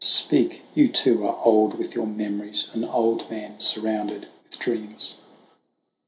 Speak, you too are old with your memories, an old man surrounded with dreams. S.